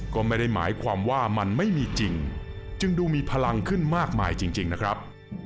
ก็ไม่ได้หมายความว่ามันไม่มีจริงจึงดูมีพลังขึ้นมากมายจริงนะครับ